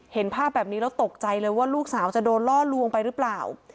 เห็นภาพแบบนี้แล้วตกใจเลยว่าลูกสาวจะโดนล่อลวงไปหรือเปล่า